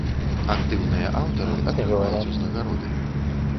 Актыўныя аўтары атрымаюць узнагароды.